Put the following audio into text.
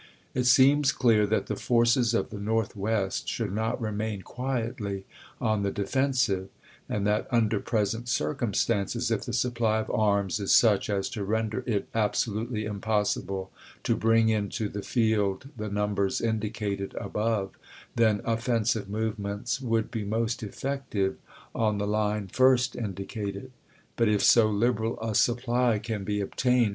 It seems clear that the forces of the Northwest should not remain quietly on the defen sive, and that under present circumstances, if the supply of arms is such as to render it absolutely impossible to bring into the field the numbers indicated above, then MccieUan offcusivc movcmcuts would be most effective on the line *sc^tt!' fii'st indicated ; but if so liberal a supply can be obtained ^py^^i86i.